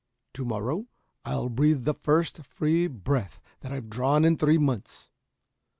"To morrow I'll breathe the first free breath that I've drawn in three months."